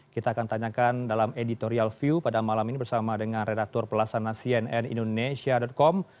kita akan tanyakan dalam editorial view pada malam ini bersama dengan redatur pelasana cnn indonesia com